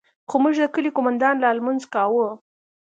خو زموږ د كلي قومندان لا لمونځ كاوه.